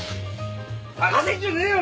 泣かせんじゃねえよ！